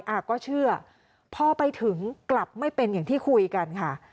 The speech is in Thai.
อ่ะก็เชื่อพอไปถึงกลับไม่เป็นอย่างที่คุยกันค่ะ